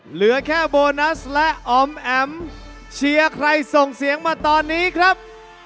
เหลือแค่โบนัสและอ๋อมแอ๋มเชียร์ใครส่งเสียงมาตอนนี้ครับ